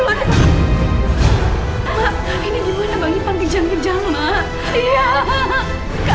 mak ini gimana bang ipan di jam jam mak